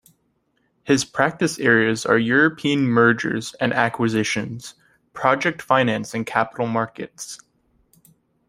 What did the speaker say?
His practice areas are European mergers and acquisitions, project finance and capital markets.